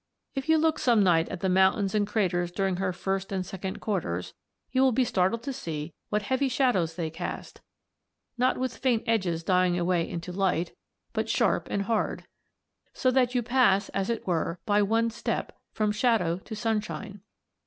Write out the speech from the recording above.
If you look some night at the mountains and craters during her first and second quarters, you will be startled to see what heavy shadows they cast, not with faint edges dying away into light, but sharp and hard (see Figs. 6 8), so that you pass, as it were by one step, from shadow to sunshine.